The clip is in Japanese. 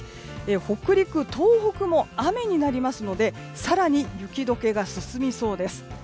北陸、東北も雨になりますので更に雪解けが進みそうです。